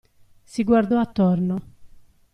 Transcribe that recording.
Si guardò attorno.